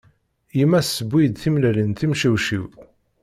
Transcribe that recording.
Yemma tseww-iyi-d timellalin timcewcin.